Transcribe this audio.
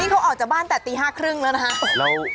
เขาออกจากบ้านแต่ตี๕๓๐แล้วนะฮะ